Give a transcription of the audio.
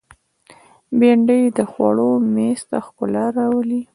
بېنډۍ د خوړو مېز ته ښکلا راولي